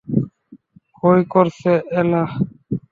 ভয় করছে এলা?